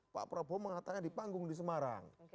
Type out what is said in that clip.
pak prabowo mengatakan di panggung di semarang